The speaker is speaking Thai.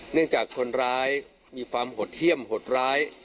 จากคนร้ายมีความหดเยี่ยมหดร้าย